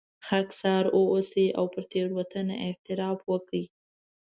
خاکساره واوسئ او پر تېروتنه اعتراف وکړئ.